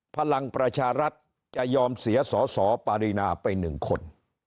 พลังประชารัฐจะยอมเสียสสปารินาไป๑คน